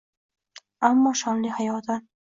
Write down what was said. Ammo shonli hayotin